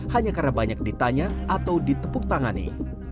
hanya karena banyak ditanya atau ditepuk tangani